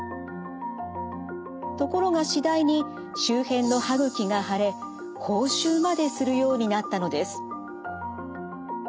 ところが次第に周辺の歯ぐきが腫れ口臭までするようになったのです。